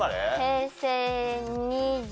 平成２２？